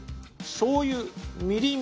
しょう油みりん